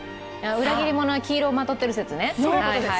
裏切り者は黄色をまとっている説ね？